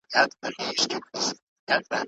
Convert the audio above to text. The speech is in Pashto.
سیلانیان د طبیعت ننداره کوي.